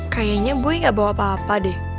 kayaknya bui gak bawa apa apa deh